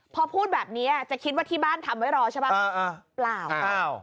พอพูดแบบนี้จะคิดว่าที่บ้านทำไว้รอใช่ป่ะเปล่าเปล่า